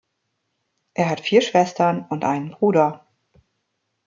Er hat vier Schwestern und einen Bruder.